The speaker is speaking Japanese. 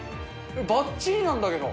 ばっちりなんだけど。